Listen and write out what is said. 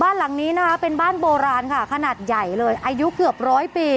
บ้านหลังนี้นะคะเป็นบ้านโบราณค่ะขนาดใหญ่เลยอายุเกือบร้อยปี